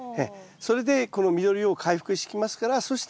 それでこの緑を回復してきますからそしたらですね